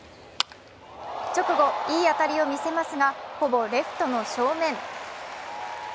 直後、いい当たりを見せますが、ほぼレフトの正面。